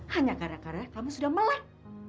hanya karena karena kamu sudah melek